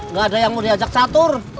nggak ada yang mau diajak catur